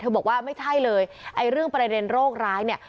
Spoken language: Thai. บอกว่าไม่ใช่เลยไอ้เรื่องประเด็นโรคร้ายเนี่ย